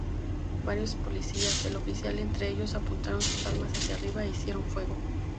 Varios policías, el oficial entre ellos, apuntaron sus armas hacia arriba e hicieron fuego.